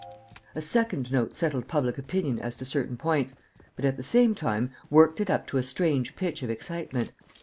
A second note settled public opinion as to certain points, but, at the same time, worked it up to a strange pitch of excitement.